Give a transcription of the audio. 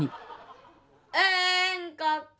うんこっこ